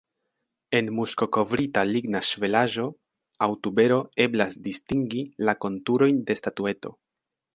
En muskokovrita ligna ŝvelaĵo aŭ tubero eblas distingi la konturojn de statueto.